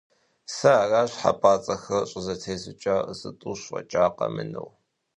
Сэ аращ хьэпӀацӀэхэр щӀызэтезукӀар, зытӀущ фӀэкӀа къэмынэу.